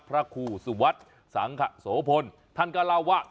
พระครูสุวัสดิ์สังขโสพลท่านก็เล่าว่า